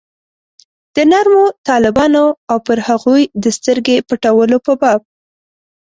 د نرمو طالبانو او پر هغوی د سترګې پټولو په باب.